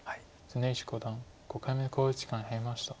常石五段５回目の考慮時間に入りました。